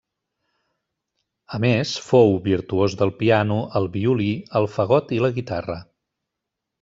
A més fou, virtuós del piano, el violí el fagot i la guitarra.